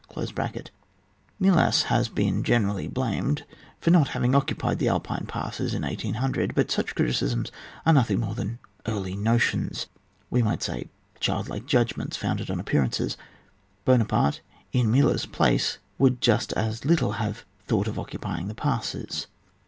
Melas has been gene rally blamed for not having occupied the Alpine passes in 1800 ; but such criticisms are nothing more than early notions '*— we might say — childlike judgments founded on appearances. Buonaparte, in Mela's place, would just as little have thought of occupying the passes.